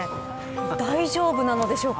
大丈夫なのでしょうか。